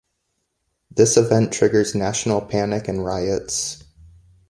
This event triggers national panic and riots.